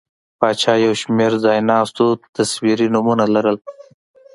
پاچا یو شمېر ځایناستو تصویري نومونه لرل.